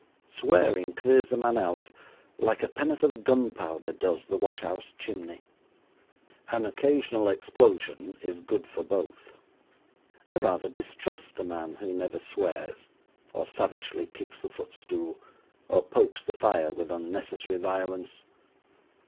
Swearing clears a man out like a pen'orth of gunpowder does the wash house chimney. An occasional explosion is good for both. I rather distrust a man who never swears, or savagely kicks the foot stool, or pokes the fire with unnecessary violence.